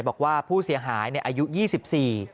บอกว่าผู้เสียหายอายุ๒๔นาที